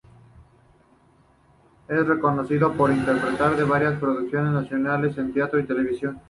Es reconocido por interpretar de varias producciones nacionales en teatro y televisión.